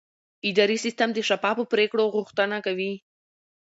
اداري سیستم د شفافو پریکړو غوښتنه کوي.